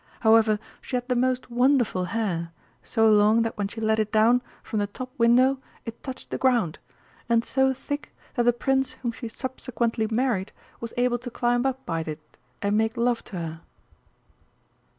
However, she had the most wonderful hair, so long that when she let it down from the top window it touched the ground, and so thick that the Prince whom she subsequently married was able to climb up by it, and make love to her."